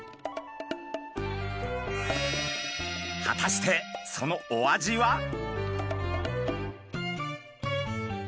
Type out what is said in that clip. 果たしてそのお味は？